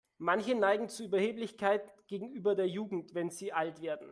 Manche neigen zu Überheblichkeit gegenüber der Jugend, wenn sie alt werden.